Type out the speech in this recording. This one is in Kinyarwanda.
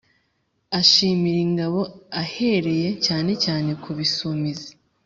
Ashimira ingabo ahereye cyane cyane ku Bisumizi